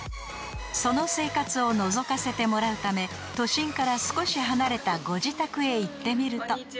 ［その生活をのぞかせてもらうため都心から少し離れたご自宅へ行ってみると］